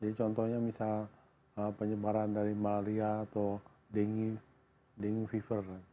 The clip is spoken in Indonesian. jadi contohnya penyebaran dari malaria atau dengue fever